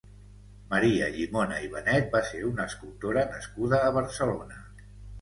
Maria Llimona i Benet va ser una escultora nascuda a Barcelona.